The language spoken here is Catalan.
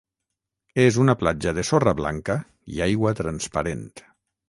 És una platja de sorra blanca i aigua transparent.